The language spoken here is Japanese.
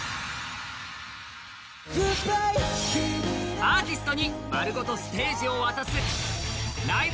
アーティストに丸ごとステージを渡す「ライブ！